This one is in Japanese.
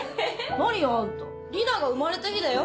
何あんた里奈が生まれた日だよ？